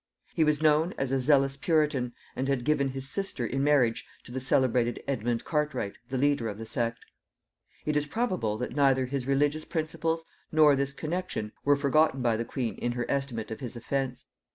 He was known as a zealous puritan, and had given his sister in marriage to the celebrated Edmund Cartwright the leader of the sect. It is probable that neither his religious principles nor this connexion were forgotten by the queen in her estimate of his offence.